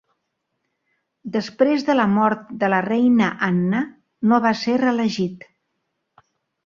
Després de la mort de la reina Anna, no va ser reelegit.